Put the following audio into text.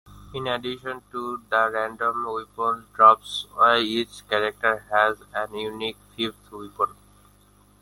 In addition to the random weapon drops, each character has a unique fifth weapon.